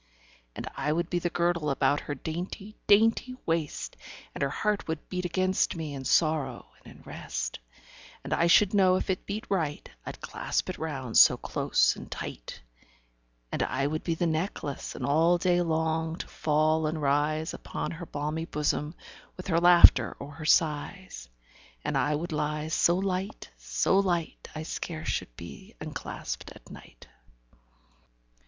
And I would be the girdle About her dainty dainty waist, And her heart would beat against me, In sorrow and in rest: 10 And I should know if it beat right, I'd clasp it round so close and tight. And I would be the necklace, And all day long to fall and rise Upon her balmy bosom, 15 With her laughter or her sighs: And I would lie so light, so light, I scarce should be unclasp'd at night.